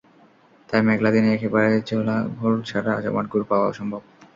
তাই মেঘলা দিনে একেবারে ঝোলা গুড় ছাড়া জমাট গুড় পাওয়া অসম্ভব।